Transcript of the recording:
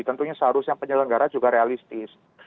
tentunya seharusnya penyelenggara juga realistis